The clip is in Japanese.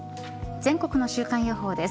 全国の週間予報です。